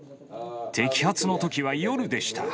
摘発のときは夜でした。